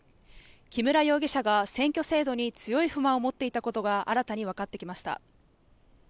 木村容疑者が選挙制度に強い不満を持っていたことが新たにわかってきました。